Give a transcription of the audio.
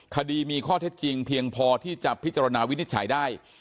คดีมีข้อเท็จจริงเพียงพอที่จะพิจารณาวินิจฉัยได้